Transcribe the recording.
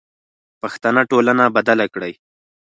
پښتنه ټولنه بدله کړئ.